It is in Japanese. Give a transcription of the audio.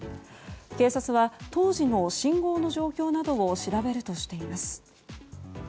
警察は当時の信号の状況などを調べるとしています。